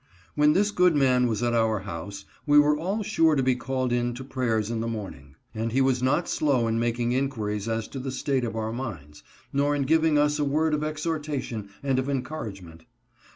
When this good man was at our house, we were all sure to be called in to prayers in the morning ; and he was not slow in making inquiries as to the state of our minds, nor in giving us a word of exhortation and of encouragement.